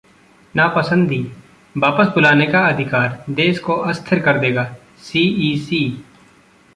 नापसंदी, वापस बुलाने का अधिकार देश को अस्थिर कर देगा: सीईसी